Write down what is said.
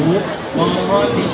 mau mau dijaga di sini ya